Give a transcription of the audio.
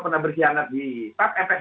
pernah bersianat di pap mps